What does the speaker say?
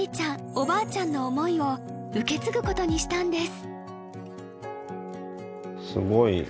おばあちゃんの思いを受け継ぐことにしたんです